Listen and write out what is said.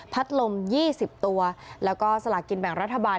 ลม๒๐ตัวแล้วก็สลากินแบ่งรัฐบาล